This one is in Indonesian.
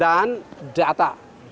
dan juga infrastruktur digital